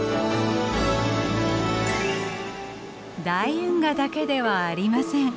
大運河だけではありません。